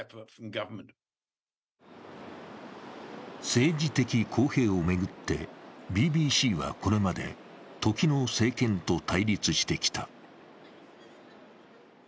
政治的公平を巡ってＢＢＣはこれまで時の政権と対立してきた。